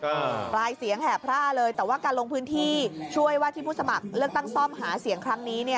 ปลายเสียงแห่พร่าเลยแต่ว่าการลงพื้นที่ช่วยว่าที่ผู้สมัครเลือกตั้งซ่อมหาเสียงครั้งนี้เนี่ย